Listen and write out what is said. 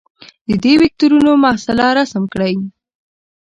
د دې وکتورونو محصله رسم کړئ.